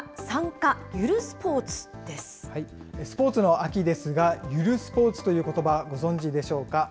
けさは、スポーツの秋ですが、ゆるスポーツということば、ご存じでしょうか。